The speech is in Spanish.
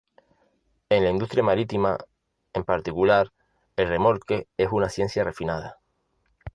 En la industria marítima, en particular, el remolque es una ciencia refinada.